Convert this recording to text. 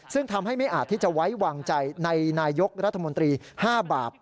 ซึ่งทำให้ไม่อาจที่จะไว้วางใจในนายกรัฐมนตรี๕บาป